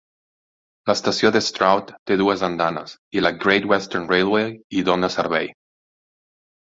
L'estació de Stroud té dues andanes i la Great Western Railway hi dona servei.